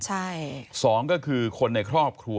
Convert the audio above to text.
ใช่สองก็คือคนในครอบครัว